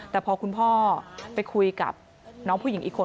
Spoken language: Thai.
แต่พอคุณพ่อไปคุยกับน้องผู้หญิงอีกคน